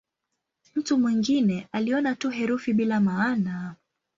Mtu mwingine aliona tu herufi bila maana.